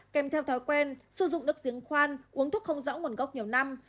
kèm theo thói quen sử dụng nước giếng khoan uống thuốc không rõ nguồn gốc nhiều năm